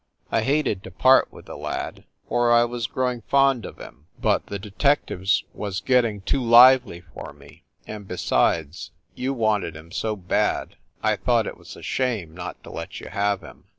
I hated to part with the lad for I was growing fond of him, but the detec 2 9 o FIND THE WOMAN lives was getting too lively for me and, besides, you wanted him so bad I thought it was a shame not to let you have him."